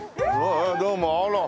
どうもあら！